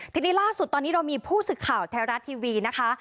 ทีนี้ล่าสุดตอนนี้เรามีผู้สื่อข่าวไทยรัฐทีวีนะคะ